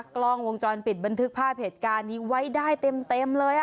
กล้องวงจรปิดบันทึกภาพเหตุการณ์นี้ไว้ได้เต็มเลย